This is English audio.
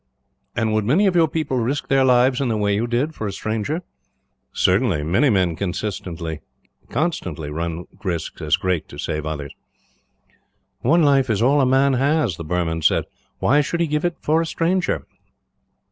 "And would many of your people risk their lives in the way you did, for a stranger?" "Certainly. Many men constantly run risks as great to save others." "One life is all a man has," the Burman said. "Why should he give it for a stranger?"